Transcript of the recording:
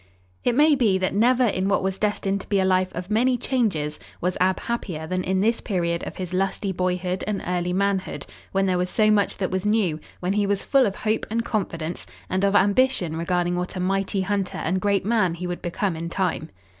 It may be that never in what was destined to be a life of many changes was Ab happier than in this period of his lusty boyhood and early manhood, when there was so much that was new, when he was full of hope and confidence and of ambition regarding what a mighty hunter and great man he would become in time.